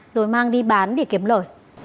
rồi mang đi bán để kiếm lời